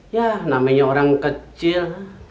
ya namanya orang kecil